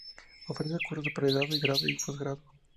Ofrece cursos de pregrado, grado y posgrado.